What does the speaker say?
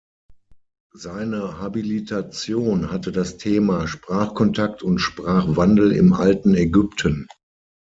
Seine Habilitation hatte das Thema "Sprachkontakt und Sprachwandel im Alten Ägypten".